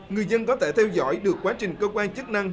người dân có thể theo dõi được quá trình cơ quan chức năng